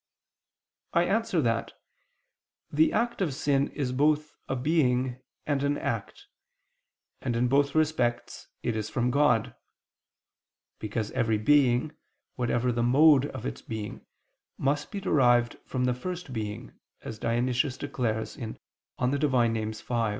I answer that, The act of sin is both a being and an act; and in both respects it is from God. Because every being, whatever the mode of its being, must be derived from the First Being, as Dionysius declares (Div. Nom. v).